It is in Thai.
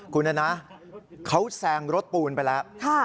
คุณนะนะเขาแซงรถปูนไปแล้ว